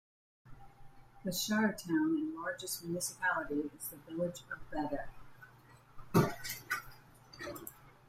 The shire town and largest municipality is the village of Baddeck.